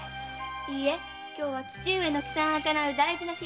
いいえ今日は父上の帰参がかなう大事な日。